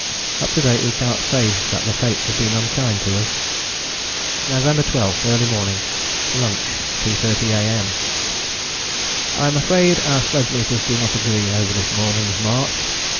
Up to date we cannot say that the Fates have been unkind to us. November 12. Early morning. Lunch 2.30 A.M. I am afraid our sledge meters do not agree over this morning's march.